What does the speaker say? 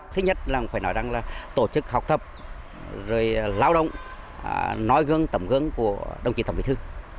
thứ nhất là phải nói rằng là tổ chức học tập rồi lao động nói gương tầm gương của đồng chí tổng bí thư